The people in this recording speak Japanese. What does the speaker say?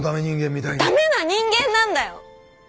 ダメな人間なんだよ！